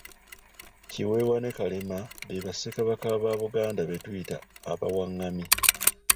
Kiweewa ne Kalema be bassekabaka ba Buganda be tuyita abawangami.